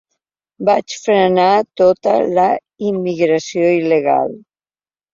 Vaig frenar tota la immigració il·legal.